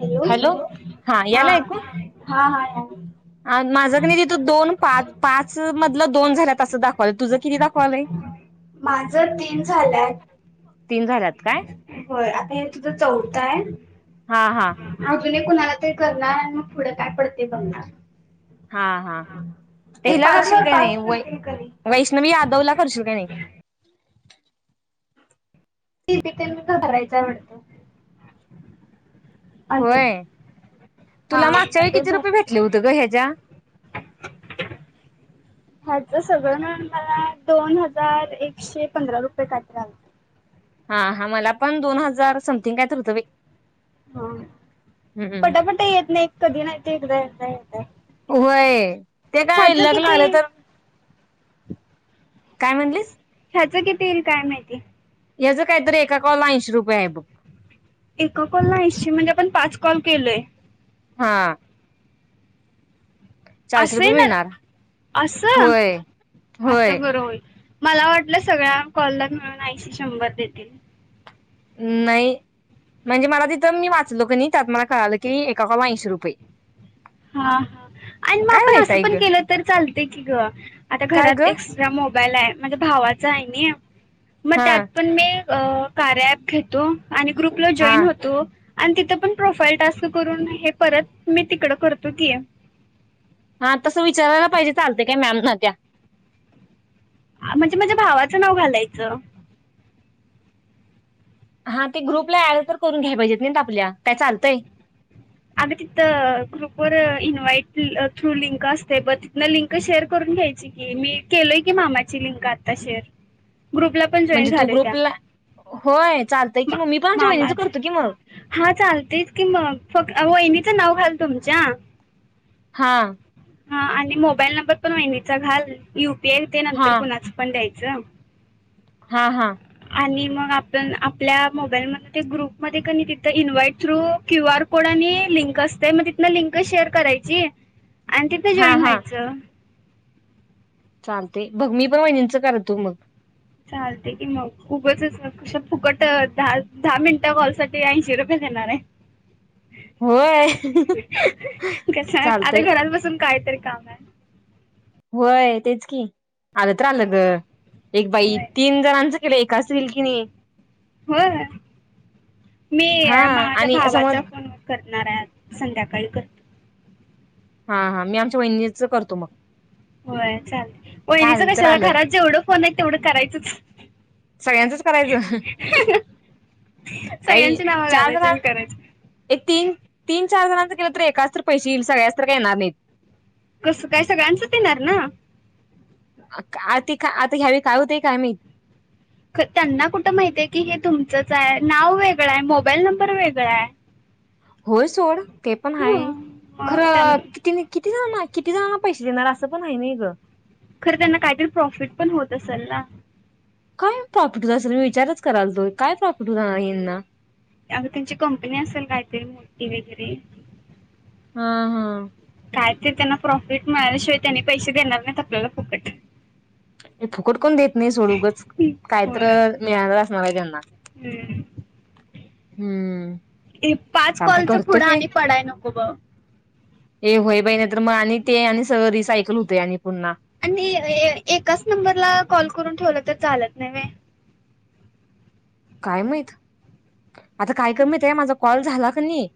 Hello हा हाय. [inaudible] आन माझं कीनई तीत दोन पाच, पाच चअ मधल दोन झाल्यात असं दाख तुझं किती दाखवालय, माझं तीन तीन झाल्यात, काय? व्हयं आता ये चौथ हाय, हा हा अजून एक कुणाला तरी करणार न म पुढ काय पडते बघणार. आ हा ते हिला पाच करशील वर क नइ पाच वै करतील कधी वैष्णवी यादवला करशील क नाइ. [unintelligible] अजून होय हा तुला मागच्या येळी मग ते किती भर रुपय भेटल होत ग ह्याच्या ह्याच सगळं मिळून मला दोन हजार एकशे पंधरा रुपय काय तरी आलत. हा हा मला पण दोन हजार, समथिंग काय तरी हूत बाई. पटापटा येत नाय, कधी नाय, ते एकदा येतंय. [inaudible] ते काय लग्ल आलं तर. काय म्हणलीस. ह्याच किती इल काय माहिती? याचं काय तरी एका कॉल ला ऐशी रुप य ब! एका कॉलला ऐंशी म्हणजे, आपण पाच कॉल केले हा! चारशे असं रुपये येणार, मिळणार असं, होय होय असं बरं होईल. मला वाटलं सगळ्या कॉल ला मिळून ऐशी शंभर देतील. नई म्हणजे मला तिथं मी वाचलो क नी त्यात मला कळालं की एका कॉल ऐंशी रुपऐ. हा हा आणि म आपण असं आहे पण ग केलं तर चालत की ग, आता काय घरात ग एक्स्ट्रा मोबाईल आहे. भावाच आहे न्या. हा त्यात पण मी अ कार्या ॲप घेतो. आणि ग्रुपला हा जॉईन होतो. तिथं पण प्रोफाईल टास्क करून, हे परत मी तिकड कर तीय. हा. तस विचारायला पाहिजे चालतय काय मॅम ला त्या हा मजे माझ्या भावाचं नाव घालायचं. हा ते ग्रुपला ऍड तर करून घ्याय पाहिजेत नाही आपल्या काय चालतंय? अग तिथ ग्रुपवर इन्व्हाइट थ्रू लिंक असतय. ब तिथन लिंक शेअर करून घ्यायची की, मी केलोय की मामाची लिंक आता शेअर ग्रुपला पण जॉईन म्हणजे तू झालोय त्या ग्रुपला होय चालतय कि मा मी पण आम च्या वहिणीच मामाच करतो कि मग, ह वहिणीचं नाव घाल तुमच्या हा. हा आणि मोबाईल नंबर पण वहिनीचा घाल यू यू पी आय ते नंतर हा ते कूणाच पण द्यायचं. हिजा हा हा. आणि मग आपण आपल्या मोबाईल म ते ग्रुपमध्ये कनी तिथ invite through Q R code आणि लिंक असतय मग तिथन लिंक शेअर करायची. आणि तिथं हा जॉईन हा व्हायचं. चालतय बग मी पण वहिनिंच करतो मग चालतय की मग उगचच नकोश फुकट धा धा मिनिटा कॉल साठी ऐंशी रुपये देणार हाय. होय कस चालतंय आता घरात बसून काय तरी, काम हाय. व्हय तेच की, आलं तर आलं ग एक बाई आहे. तीन जणांचं केलं एकाच तरी यील की नाही. व्हय मी हा माझ्या आणि समज भावाचा फोन करणार हाय आज संध्याकाळी करतो. हा हा मी आमच्या वहिनीच करतो मग. होय चालतय. काय वहिणीच आलं तर कशाला आलं घरात जेवढं फोन आहे तेवढं करायचच सगळ्यांचच करायचं काही सगळ्यांची नाव चार घालायच जण आणि करायच. एक तीन तीन चार जणांचं केलं तर एकाच तर पैसे यील सगळ्यांचं तर काय येणार नाहीत. कस काय सगळ्यांचच येणार ना? आ का आ ते आता यावेळी काय होतय काय माईत? त्यांना कुठं माहितय की हे तुमचंच हाय? नाव वेगळं हाय, मोबाईल नंबर वेगळा हाय. होय सोड. ते पण हाय मग त्यां खरं तेनी किती? किती जण माहित किती जणांना पैसे देणार असं पण हाय नाही गं! खरं त्यांना काहीतरी प्रॉफिट पण होत असल ना. काय प्रॉफिट होत असेल मी विचारच कराल तो, काय प्रॉफिट होणार ह्यांना. अग त्यांची कंपनी असेल कायतरी मोठी वगेरे हा हा. काय तरी त्यांना प्रॉफिट मिळाल्याशिवाय त्यांनी पैसे देणार नाहीत आपल्याला फुकट फुकट कोण देत नाही सोड उगच कायतर होय मिळाल असणार हाय त्यांना? हम्म. हम्म. ये पाच चालतंय कॉलच्या करतो पुढं की आणि पडाय नको ब. ए होय बाई नाही तर मग आणि ते आणि सगळ रिसायकल होतय आणि पुन्हा आणि एकाच नंबरला कॉल करून ठेवलं तर चालत नाय व्हय. काय मायत? आता काय कमीत आहे. माझा कॉल झाला. [unintelligible]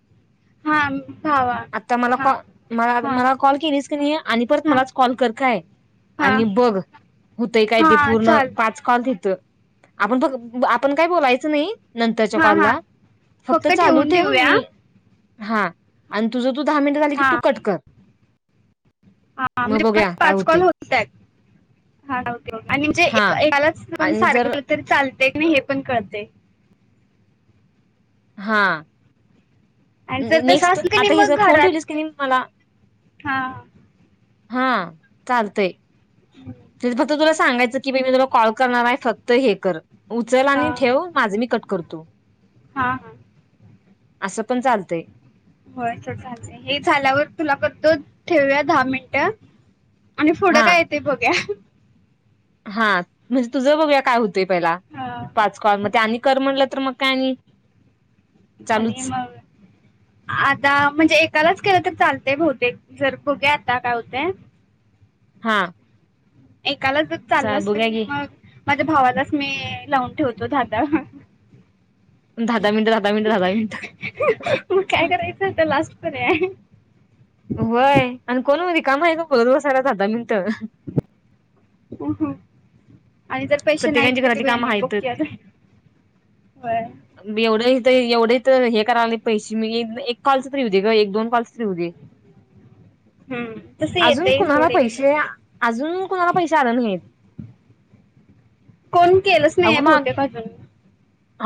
हा भावा आता मला हा कॉ मला, हा मला कॉल केलीच क नही आणि परत हा मलाच कॉल कर, काय हा आणि बघ हूतय काय ते हा पूर्ण चाल पाच कॉल दिलत. [unintelligible] आपण काय बोलायचं नही. नंतरच्या हा हा कॉलला फक्त चालू ठेवून ठेव देऊया मी हा आणि तुझं तू दहा मिनिटं झाली की हा तू कट कर मग म्हणजे परत बघूया काय पाच कॉल होतय होतायत, आणि म्हणजे हा एकाला पण आणि सारख जर दिल तरी चाल तेय नई हे पण कळतय. हा! जर तस नेक्स्ट असल कनी आता हेचा मग फोन घरात ठेवलीस की नाही मला हा. हा चालतंय. तेच फक्त तुला, सांगायचं की मी, मी तुला कॉल करणार आहे. फक्त हे कर. उचल हा आणि ठेव माझं मी कट करतो. हा हा! असं पण चाल तय हो असं झालंय, हे झाल्यावर तुला करतो ठेवुया दहा मिनट. आणि पुढं हा काय येत बघुया. हा म्हणजे तुझं बघूया काय, होत ते पहिला हा पाच कॉल, आणि कर म्हटल तर तर मग काय आणि आणि चालूच मग आता म्हणजे, एकालाच केलं तर चाल ते भोवतेक जर बघूयात, आता काय होतेय. हा! काला जर चाल असल बघूया की मग. माझ्या भावालाच मी, लावून ठेवतो धा धा. दहा दहा मिनिटं दहा दहा मिनिटं दहा दहा मिनिटं मग, काय करायचं आता लास्ट. [unintelligible] होय आणि कोण म रिकाम आहे का बोलत बसायला, दहा दहा मिनटं. [inaudible] हं हं कामं आहेतच [unintelligible] तर एवढे तर हे कराय पैसे मी एक कॉल च तर येऊदेत ग एक दोन कॉल च तर येऊदे हम्म तस येतय सोड पैसे अजून कुणाला पैसे आलं नाहीेत कोण केलंच नाही आहे बहुतेक आजून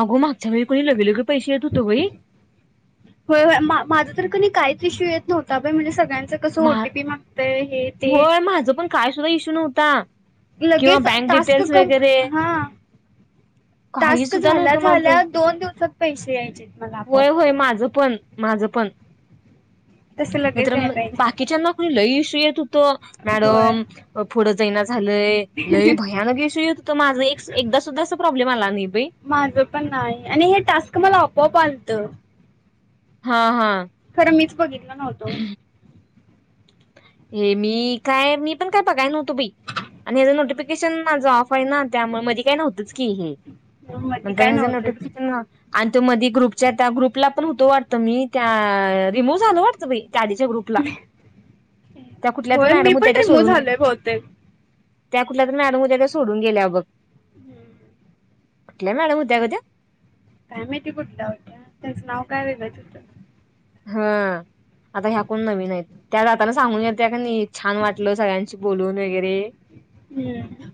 अगं मागच्या वेळी बाई लगेलगे पैसे येत [inaudible] होतं होय होय माझ तर कनी काहीच इशू येत नव्हता बाई म्हणजे सगळ्यांना होय माझ पण काय सुद्धा इशू नव्हता ता लगेच टास्क कम हा काही टास्क सुद्धा झाल्या नव्हतं माझं झाल्या दोन दिवसात पैसे यायचे मला पण होय होय माझं माझं पण नाही तर लगेच याय मग पाहिजे बाकीच्यांना कनी लय इशू येत होत होय. मॅडम पुढ [unintelligible] झाल लय भयानक इशू येत होत माझ एक एकदा सुद्धा अस प्रॉब्लेम आला नाही बाई माझं पण आलत हा हा खरं मीच बघितल नव्हतो हे मी काय मी पण काय बघाय नव्हतो बाई आणि हचं नोटिफिकेशनझ ऑफ आहे ना त्यामुळे मध्ये काय नव्हतंच की हे मधी काय नंतर नव्हतंच. नोटिफिकेशन आणि तो मधी ग्रुपच्या त्या ग्रुपला पण होतो वाटत मी त्या रिमूव्ह झालो वाटतं बाई आधीच्या ग्रुपला त्या कुठल्या तर होय मी मॅडम होत्या पण त्या रिमूव्ह सोडून झालोय बहुतेक त्या कुठल्या तर मॅडम होत्या त्या सोडून गेल्या बघ हम्म कुठल्या मॅडम होत्या ग त्या काय माहिती कुठल्या होत्या त्याचं नाव काय वेगळच होत हा आता ह्या कोण नवीन आहेत? त्या जाताना सांगून गेलत्या का नाही? छान वाटलं सगळ्यांशी बोलून घे रे हम्म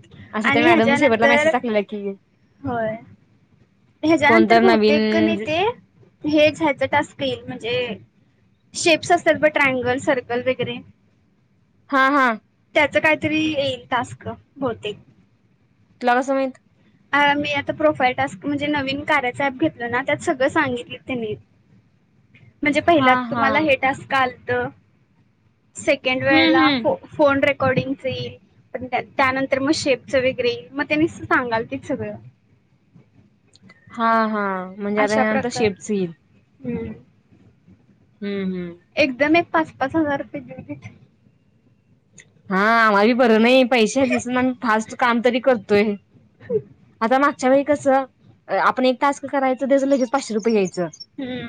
आणि मॅडम शेवटला हच्यानंतर मेसेज टाकलेला की [unintelligible] होय कोणत ह्याच्यानंतर नवीन बहुतेक ने ते हेच टास्क येईल म्हणजे जे शेप्स असतात बग ट्रँगल सर्कल वगैरे हा हा त्याच कायतरी येईल टास्क बहुतेक तुला कसं माहीत? मी आता प्रोफाईल टास्क म्हणजे नवीन कार्याच ऍप घेतलं ना त्यात सगळं सांगितली त्यांनी म्हणजे हा पहिला हा तुम्हाला हे टास्क आल. त अ. सेकेंड हम्म वेळेला हम्म फो फोन रेक अकॉर्डिंग येईल, पण त्यानंतर मग शेपचं वगेरे येईल मग त्यानी सांगालतीत. सगळ हा हा. म्हणजे आता यानंतर शेप च येईल. हम्म. हम्म हम्म. पाच पाच हजार रुपये दिवू देत. हा आमाला बी बर नाई. पैशे दिसून आमी फास्ट काम तरी करतोय, आता मागच्या वेळी कस? आपण एक टास्क करायचं त्याच लगेच पाचशे रुपय यायचं. हम्म.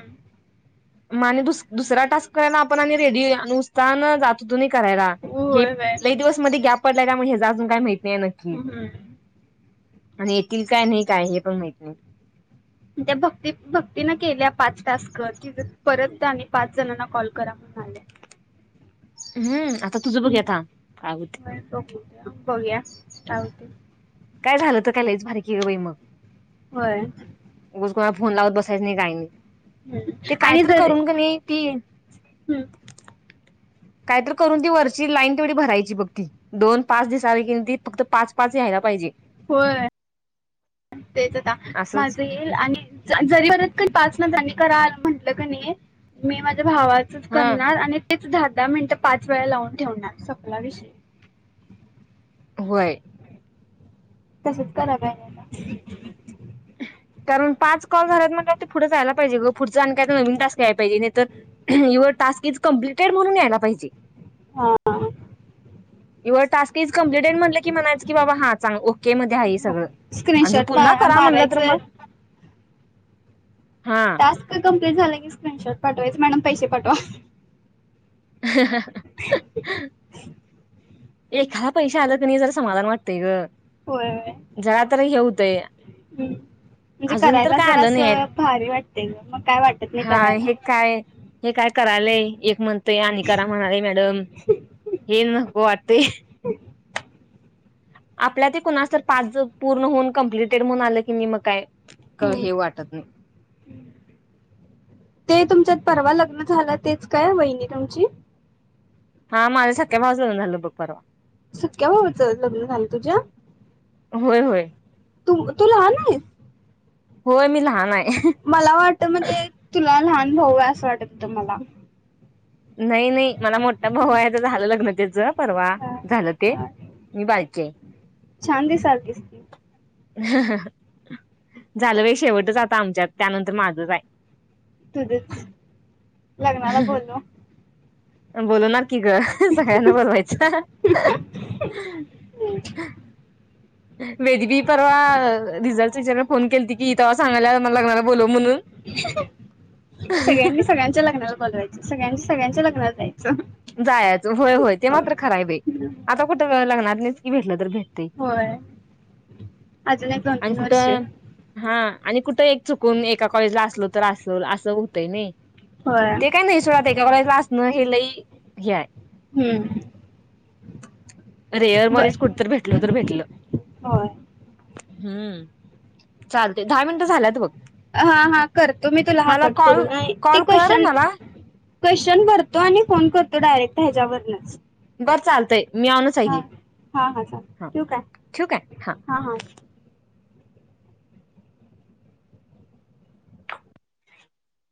म आणि दुसरा टास्क करायला आपण आणि रेडी उत्साहानं जात होतू न करायला. हे होय होय लई दिवसमध्ये गॅप पडलाय काय म हेजा अजून काय माहित नाही नक्की हम्म. आणि येतील काय नाही काय हे पण माहित नाही? त्या भक्ती भक्तीन केलिया पाच टास्क परत आणि पाच जणांना कॉल करा म्हणून आलय. हम्म आ. हम्म बर बघू या काय होतय. काय झालं तर काय लईच भारी की ग बाई मग होय. उगाच कोणाला फोन लावत बसायचं नाही काय नाही. हम्म. ते काय आणि तर जर करून कनी ती हम्म. कायतरी करून ती वरची लाईन तेवढी भरायची बघ, ती दोन पाच दिसालय की नाही ती फक्त पाच पाच यायला पाहिजे. होय तेच आता असंच माझं येईल आणि जरी परत कनी पाच नंतर आणि करा आल म्हटल. म्हटलं कनी मी माझ्या भावाचच हा करणार आणि तेच दहा दहा मिनिटं पाच वेळा लावून ठेवणार सपला विषय व्हय. तसेच कराय पाहिजे आता कारण पाच कॉल झाल्यात म्हटल्यावर ते पुढं जायला पाहिजे, ग पुढच आणि काय तरी नवीन टास्क यायला पाहिजे, नाही तर युअर टास्क इज कंप्लिटेड म्हणून यायला पाहिजे. हा आ. युवर टास्क तीज कम्प्लीटेड म्हटल की म्हणायचं की बाबा हा चांग ओके मध्ये आहे सगळं आणि जर स्क्रीनशॉट पुन्हा पा- करा म्हणलं तर मारायचं मग हा टास्क कंप झालं की स्क्रीनशॉट पाठवायच मॅडम पैसे पाठवा ह एखादा पैसे आलं की नाही जरा समाधान वाटतय ग होय होय जरा तर हे होतय म्हणजे अजून तर करायला काय जरा आलं नाहीय असं भारी वाटते ग मग काय वाटत नाही हा करायला हे काय हे काय करायलय एक म्हणतय आणि करा म्हणालेय मॅडम हे नको वाट ह आपल्या ते कुणासर पाच पूर्ण होऊन कंप्लिटेड म्हणून आलं की नाही मग काय हे वाटत नाही ते तुमच्यात परवा लग झाल तेच काय वहिणी तुमची हा माझ्या सख्या भावाच झालं बघ परवा सक्या बाबाच लग्न झालं तुझ्या होय होय तुम तू लहान आहे होय मी लहान आहे मला वाटत म्हणजे तुला लहान भाऊ असं वाटत होतं मला नाही नाही मला मोठा भाऊ आहे तर झालं लग्नतेच परवा हा, झालं ते हा. मी बारकी हाय छान दिसालतीस की झालं बाई शेवटच आता आमच्यात त्यानंतर माझंच आहे तुझ लग्नाला बोलव बोलवणार की ग सगळ्यांना बोलवायचं वेद बी परवा रिझल्टच विचारायला फोन केलती की तवा सांगायला मला लग्नाला बोलव म्हणून सगळ्यांनी सगळ्यांच्या लग्नाला बोलवायच सगळ्यांनि सगळ्यांच्या लग होय जायच होय होय ते मात्र खर आहे बाई आता कुठ लग्नात की भेटल तर पण होय अजून एक दोन आणि तीन वर्ष कुठं हा आणि कुठं एक चुकून एका कॉलेजला असलो तर असल असं होतंय नाही होय ते काय नाही सोड ते काय एका कॉलेजला असणं हे लई हय हम्म रेअर बर मध्येच कुठतरी भेटलो तर भेटलं होय हम्म चालते दहा मिनिटं झाल्यात बघ हा हा करतो मी तुला मला हाकट कॉल करून ते कॉल कर क्वेशन मला क्वेशन भरतो आणि फोन करतो तो डायरेक्ट ह्याच्यावरनच बरं चालतंय मी ऑनच हाय हा घे हा हा चालेल ठेवू काय ठिउ काय हा